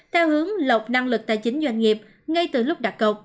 theo hướng lọc năng lực tài chính doanh nghiệp ngay từ lúc đặt cột